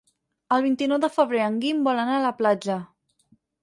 El vint-i-nou de febrer en Guim vol anar a la platja.